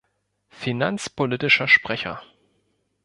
Finanzpolitischer Sprecher.